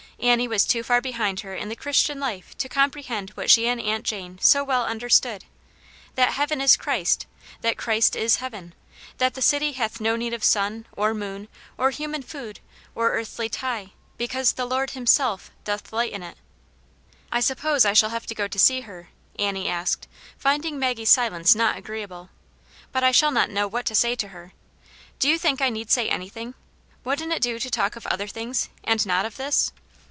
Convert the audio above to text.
Annie was too far behind her in the Christian life to comprehend what she and Aunt Jane so well understood : that heaven is Christ, that Christ is heaven ; that that city hath no need of sun, or moon, or human food, or earthly tie, because the Lord Himself doth lighten it " I suppose I shall have to go to see her ?" Annie asked, finding Maggie's silence not agreeable. " But I shall not know what to say to her. Do you think I need say anything ? Wouldn't it do to talk of other things, and not of this